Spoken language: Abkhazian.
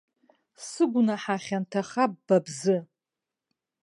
Сыгәнаҳа хьанҭахап ба бзы.